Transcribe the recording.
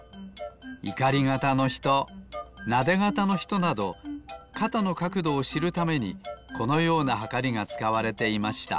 いかり肩のひとなで肩のひとなど肩のかくどをしるためにこのようなはかりがつかわれていました。